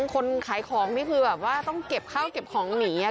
คนขายของต้องเก็บข้าวเก็บของหนี